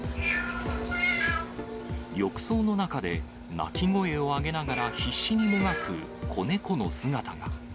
浴槽の中で鳴き声を上げながら必死にもがく子猫の姿が。